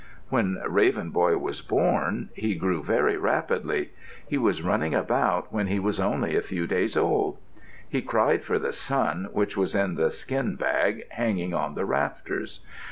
.... When Raven Boy was born he grew very rapidly. He was running about when he was only a few days old. He cried for the sun which was in the skin bag, hanging on the rafters.